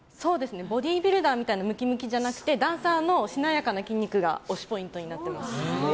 ボディービルダーみたいなムキムキじゃなくてダンサーのしなやかな筋肉が推しポイントになっています。